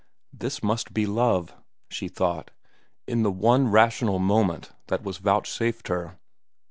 This must be love, she thought, in the one rational moment that was vouchsafed her.